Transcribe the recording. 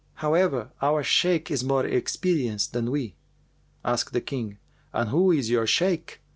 However, our Shaykh[FN#400] is more experienced than we.' Asked the King, 'And who is your Shaykh?'